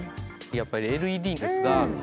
やっぱりＬＥＤですがえっと